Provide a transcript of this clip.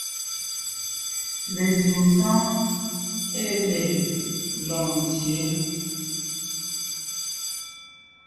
Lezíŋ sɔ́ɔn ée le Loŋtsyě,